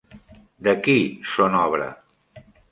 De qui són obra?